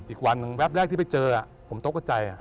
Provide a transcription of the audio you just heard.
อีกวันแว็บแรกที่ไปเจอผมตกใจ